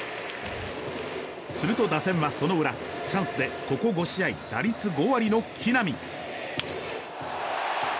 すると打線はその裏チャンスでここ５試合打率５割の木浪。